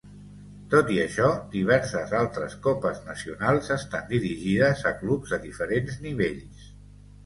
Tot i això, diverses altres copes nacionals estan dirigides a clubs de diferents nivells.